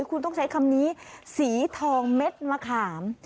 คุณต้องใช้คำนี้สีทองเม็ดมะขาม